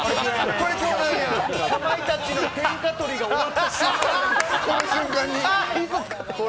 かまいたちの天下取りが終わってしまう。